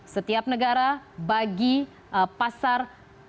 setiap negara bagi pasar